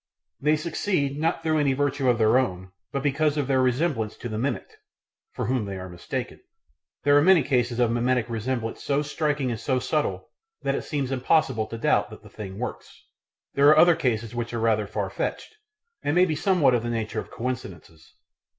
They succeed, not through any virtue of their own, but because of their resemblance to the mimicked, for whom they are mistaken. There are many cases of mimetic resemblance so striking and so subtle that it seems impossible to doubt that the thing works; there are other cases which are rather far fetched, and may be somewhat of the nature of coincidences.